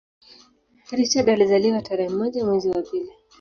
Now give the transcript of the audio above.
Richard alizaliwa tarehe moja mwezi wa pili